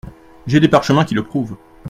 J’ai des parchemins qui le prouvent.